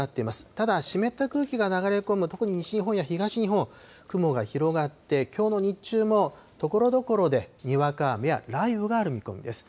ただ湿った空気が流れ込む、特に西日本や東日本、雲が広がって、きょうの日中もところどころで、にわか雨や雷雨がある見込みです。